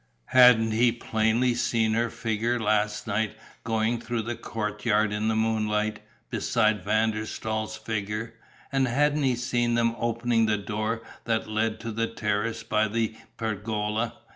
Hadn't he plainly seen her figure last night going through the courtyard in the moonlight, beside Van der Staal's figure, and hadn't he seen them opening the door that led to the terrace by the pergola?